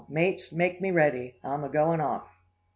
Mates, make me ready! I'm a going off!